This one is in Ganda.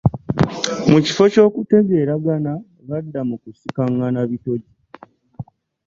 Mu kifo ky'okutegeregana, badda mu kusikangana bitoggi.